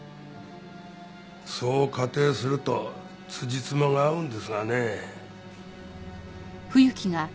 そう仮定すると辻褄が合うんですがねぇ。